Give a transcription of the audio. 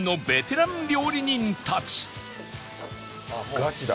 ガチだ！